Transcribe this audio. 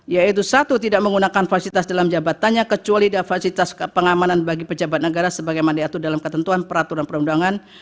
yaitu satu tidak menggunakan fasilitas dalam jabatannya kecuali ada fasilitas pengamanan bagi pejabat negara sebagaimana diatur dalam ketentuan peraturan perundangan